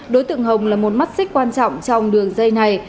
đối tượng hồng là một mắt xích quan trọng trong đường dây này